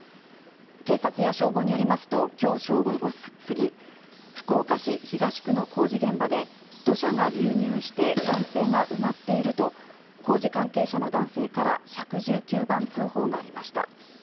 警察や消防によりますと、きょう正午過ぎ、福岡市東区の工事現場で、土砂が流入して男性が埋まっていると、工事関係者の男性から１１９番通報がありました。